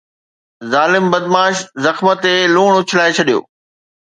ظالم بدمعاش زخم تي لوڻ اڇلائي ڇڏيو